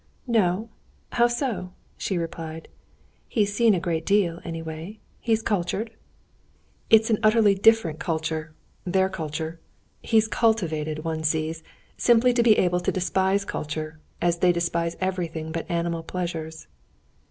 "No; how so?" she replied. "He's seen a great deal, anyway; he's cultured?" "It's an utterly different culture—their culture. He's cultivated, one sees, simply to be able to despise culture, as they despise everything but animal pleasures."